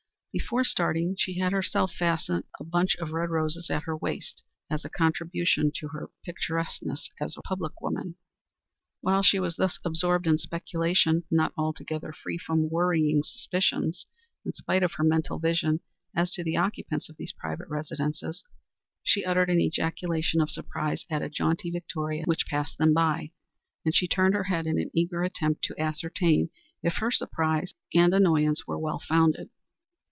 Before starting she had herself fastened a bunch of red roses at her waist as a contribution to her picturesqueness as a public woman. While she was thus absorbed in speculation, not altogether free from worrying suspicions, in spite of her mental vision as to the occupants of these private residences, she uttered an ejaculation of surprise as a jaunty victoria passed by them, and she turned her head in an eager attempt to ascertain if her surprise and annoyance were well founded.